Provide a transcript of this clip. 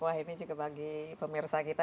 wah ini juga bagi pemirsa kita